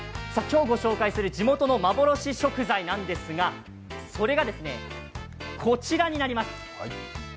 今日ご紹介する地元の幻食材なんですがそれが、こちらになります。